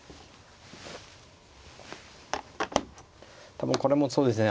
多分これもそうですね